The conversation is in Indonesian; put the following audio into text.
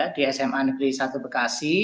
di sma negeri satu bekasi